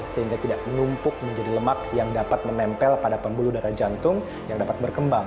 sehingga tidak menumpuk menjadi lemak yang dapat menempel pada pembuluh darah jantung yang dapat berkembang